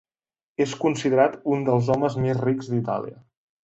És considerat un dels homes més rics d'Itàlia.